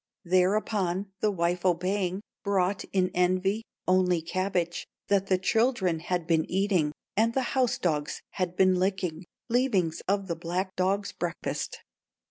"Thereupon the wife obeying, Brought, in envy, only cabbage That the children had been eating, And the house dogs had been licking, Leavings of the black dog's breakfast.